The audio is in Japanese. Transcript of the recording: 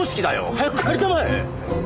早く帰りたまえ！